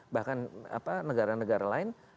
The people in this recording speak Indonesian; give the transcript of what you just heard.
bahkan negara negara lain